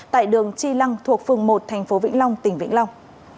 tại đường tri lăng thuộc phường một tp vĩnh long tỉnh vĩnh long